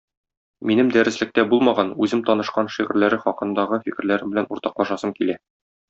Минем дәреслектә булмаган, үзем танышкан шигырьләре хакындагы фикерләрем белән уртаклашасым килде.